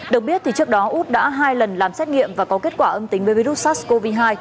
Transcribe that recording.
được biết thì trước đó út đã hai lần làm xét nghiệm và có kết quả âm tính với virus sars cov hai